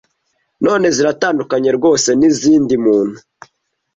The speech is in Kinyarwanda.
none ziratandukanye rwose nizindi muntu